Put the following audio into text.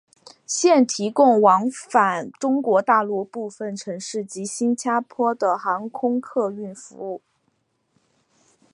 现提供往返中国大陆部分城市及新加坡的航空客运服务。